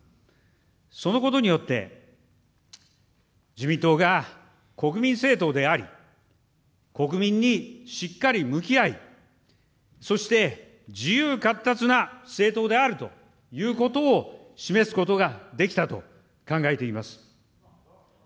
そのことによって、自民党が国民政党であり、国民にしっかり向き合い、そして自由かっ達な政党であるということを示すことができたと考えています。